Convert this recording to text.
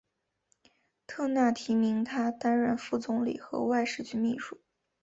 特纳提名他担任副总理和外事局秘书。